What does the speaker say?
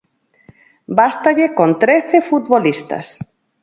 Bástalle con trece futbolistas.